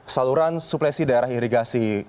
saluran suplesi daerah irigasi